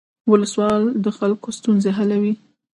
ولسوال د خلکو ستونزې حلوي